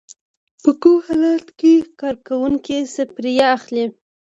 په کوم حالت کې کارکوونکی سفریه اخلي؟